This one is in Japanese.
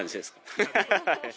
ハハハハ！